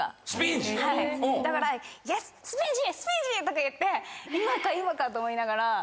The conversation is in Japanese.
だからイエス！とか言って今か今かと思いながら。